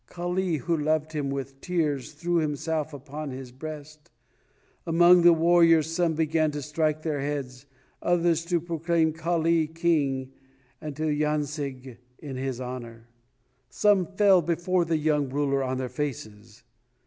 Kali, who loved him, with tears threw himself upon his breast. Among the warriors some began to strike their heads, others to proclaim Kali king and to "yancig" in his honor. Some fell before the young ruler on their faces.